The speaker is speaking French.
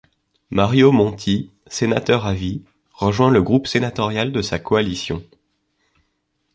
Mario Monti, sénateur à vie, rejoint le groupe sénatorial de sa coalition.